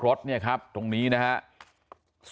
วันนี้นะครับพาคณสตรีจากอำเภอวาปีปะทุม